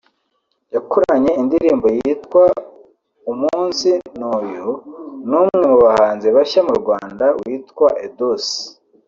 yakoranye indirimbo yitwa “Umunsi Ni Uyu” n’umwe mu bahanzi bashya mu Rwanda witwa Edouce